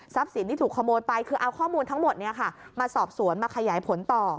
สินที่ถูกขโมยไปคือเอาข้อมูลทั้งหมดมาสอบสวนมาขยายผลต่อ